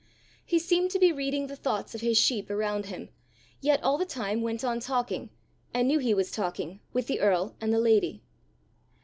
He seemed to be reading the thoughts of his sheep around him, yet all the time went on talking, and knew he was talking, with the earl and the lady.